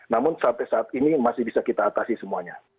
namun sampai saat ini masih bisa kita atasi semuanya